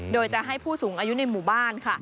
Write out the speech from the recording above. โดยจะให้ผู้สูงอายุในหมู่บ้านค่ะ